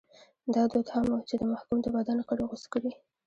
دا دود هم و چې د محکوم د بدن غړي غوڅ کړي.